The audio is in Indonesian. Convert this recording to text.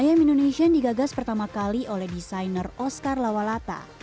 im indonesian digagas pertama kali oleh desainer oscar lawalata